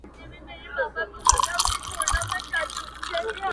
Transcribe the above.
په هغه شپه چي ستا له پښې څخه پايزېب خلاص کړی،